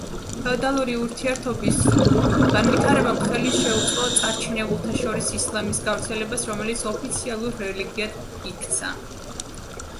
ფეოდალური ურთიერთობის განვითარებამ ხელი შეუწყო წარჩინებულთა შორის ისლამის გავრცელებას, რომელიც ოფიციალურ რელიგიად იქცა.